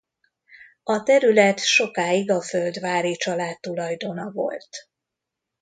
A terület sokáig a Földváry család tulajdona volt.